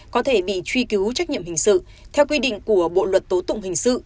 có thể bị truy cứu trách nhiệm hình sự theo quy định của bộ luật tố tụng hình sự